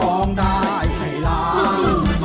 ร้องได้ให้ล้าน